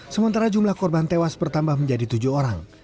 sementara jumlah korban tewas bertambah menjadi tujuh orang